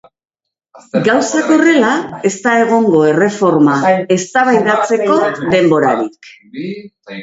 Gauzak horrela, ez da egongo erreforma eztabaidatzeko denborarik.